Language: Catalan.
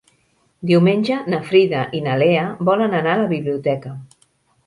Diumenge na Frida i na Lea volen anar a la biblioteca.